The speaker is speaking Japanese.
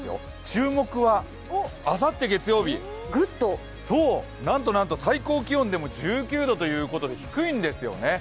注目はあさって月曜日、なんとなんと最高気温でも１９度ということで低いんですよね。